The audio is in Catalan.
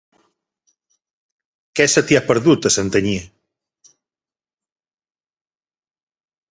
Què se t'hi ha perdut, a Santanyí?